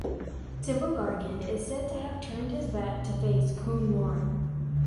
Tibrogargan is said to have turned his back to face Coonowrin.